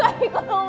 kak iko kak nur